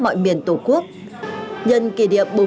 mọi miền tổ quốc nhân kỷ điệp